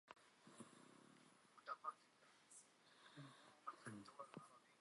دابەشکرا لە نێوان ئەو تەنە خوێندراوانەی تەنی خوێندراوەن بۆ پڕۆتیەنە یارمەتیدەرەکان.